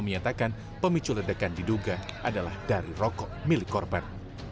menyatakan pemicu ledakan diduga adalah dari rokok milik korban